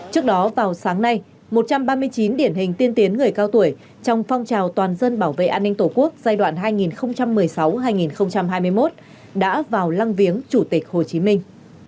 trước đó vào sáng nay một trăm ba mươi chín điển hình tiên tiến người cao tuổi trong phong trào toàn dân bảo vệ an ninh tổ quốc giai đoạn hai nghìn một mươi sáu hai nghìn hai mươi một đã vào lăng viếng chủ tịch hồ chí minh